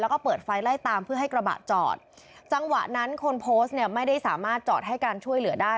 แล้วก็เปิดไฟไล่ตามเพื่อให้กระบะจอดจังหวะนั้นคนโพสต์เนี่ยไม่ได้สามารถจอดให้การช่วยเหลือได้